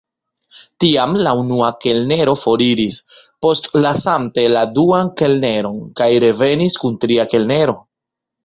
Tiam la unua kelnero foriris, postlasante la duan kelneron, kaj revenis kun tria kelnero.